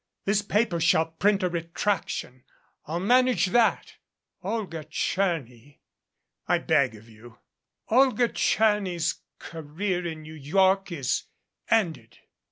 This paper shall print a retraction. I'll manage that. Olga Tcherny " "I beg of you " "Olga Tcherny's career in New York is ended.